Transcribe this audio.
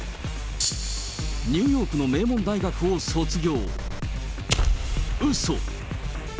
ニューヨークの名門大学を卒業。